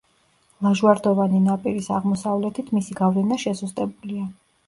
ლაჟვარდოვანი ნაპირის აღმოსავლეთით მისი გავლენა შესუსტებულია.